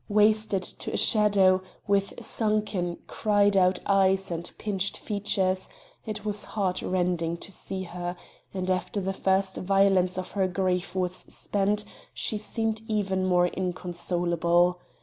Wasted to a shadow, with sunken, cried out eyes and pinched features, it was heart rending to see her; and after the first violence of her grief was spent she seemed even more inconsolable.